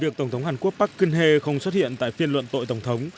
việc tổng thống hàn quốc park geun hye không xuất hiện tại phiên luận tội tổng thống